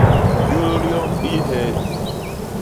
Hyôlôl yoñ i yé hee?